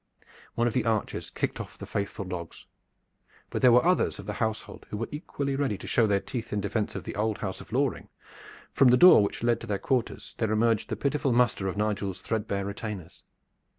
One of the archers kicked off the faithful dogs. But there were others of the household who were equally ready to show their teeth in defense of the old house of Loring. From the door which led to their quarters there emerged the pitiful muster of Nigel's threadbare retainers.